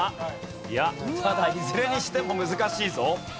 いやただいずれにしても難しいぞ。